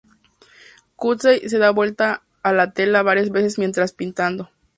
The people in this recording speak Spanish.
Knudsen da vuelta a la tela varias veces mientras pintando.